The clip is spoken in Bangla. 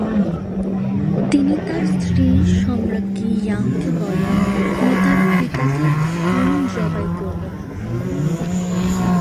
তিনি তার স্ত্রী সম্রাজ্ঞী ইয়াংকে বলেন তিনি তার পিতাকে খুন জবাই করবেন।